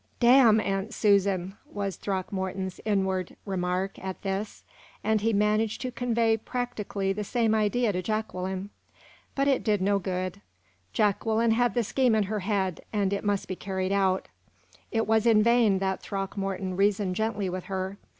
"Damn Aunt Susan!" was Throckmorton's inward remark at this; and he managed to convey practically the same idea to Jacqueline. But it did no good. Jacqueline had the scheme in her head, and it must be carried out. It was in vain that Throckmorton reasoned gently with her.